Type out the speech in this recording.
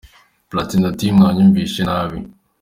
Platini ati « Mwanyumvishe nabi ».